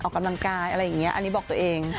ออกกำลังกายอะไรอย่างนี้อันนี้บอกตัวเอง